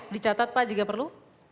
dicatat pak jika perlu